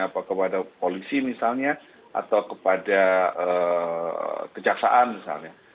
apa kepada polisi misalnya atau kepada kejaksaan misalnya